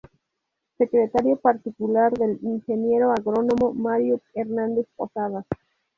Secretario Particular del Ingeniero Agrónomo Mario Hernández Posadas.